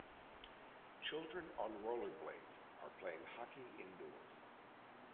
Children on rollerblades are playing hockey indoors